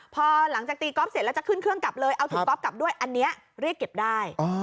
พอหลังจากตีก๊อฟเสร็จแล้วจะขึ้นเครื่องกลับเลยเอาถุงก๊อฟกลับด้วยอันนี้เรียกเก็บได้